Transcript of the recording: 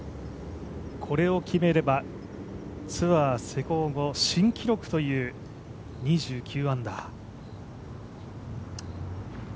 これを決めれば、ツアー施行後新記録という２９安打。